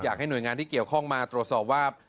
อยากให้หน่วยงานที่เกี่ยวข้องมาตรวจสอบว่า